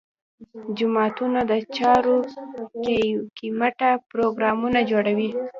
جوماتونو د چارو کمیټه پروګرامونه جوړوي.